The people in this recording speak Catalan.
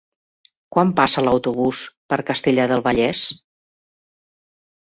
Quan passa l'autobús per Castellar del Vallès?